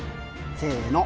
せの。